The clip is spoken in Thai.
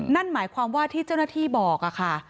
นั่นหมายความว่าที่เจ้าหน้าที่บอกค่ะ